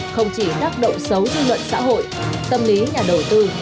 không chỉ tác động xấu dư luận xã hội tâm lý nhà đầu tư